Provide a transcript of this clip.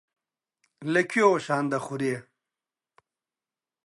لە کوێوە شان دەخورێ.